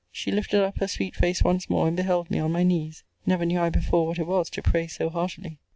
She lifted up her sweet face once more, and beheld me on my knees. Never knew I before what it was to pray so heartily.